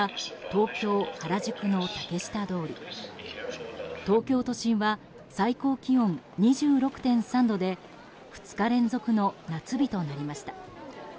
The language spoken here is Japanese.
東京都心は最高気温２６．３度で２日連続の夏日となりました。